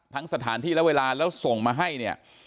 สถานที่และเวลาแล้วส่งมาให้เนี่ย